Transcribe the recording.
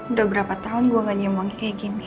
udah berapa tahun gua gak nyium wangi kayak gini